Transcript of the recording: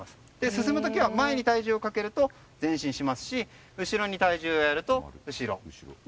進む時は前に体重をかけると前進しますし後ろに体重を乗せると後ろ。